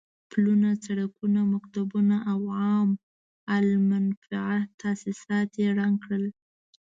پلونه، سړکونه، مکتبونه او عام المنفعه تاسيسات يې ړنګ کړل.